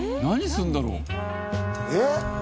何するんだろう？